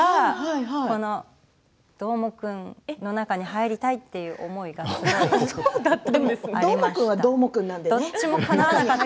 このどーもくんの中に入りたいという思いがすごいありました。